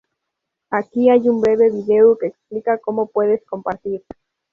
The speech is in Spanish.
Aquí hay un breve video que explica cómo puedes compartir.